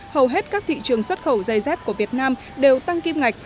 hầu hết các thị trường xuất khẩu dây dép của việt nam đều tăng kim ngạch